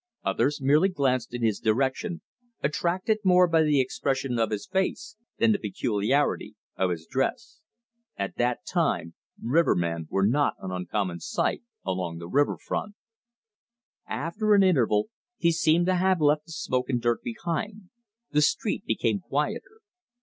Others merely glanced in his direction, attracted more by the expression of his face than the peculiarity of his dress. At that time rivermen were not an uncommon sight along the water front. After an interval he seemed to have left the smoke and dirt behind. The street became quieter.